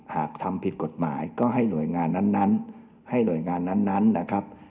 หากทำผิดกฎหมายก็ให้หน่วยงานนั้นให้หน่วยงานนั้นนะครับ